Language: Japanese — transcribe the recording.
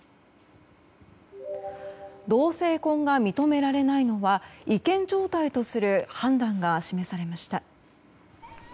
同性婚が認められないのは違憲状態とする判断が示されました。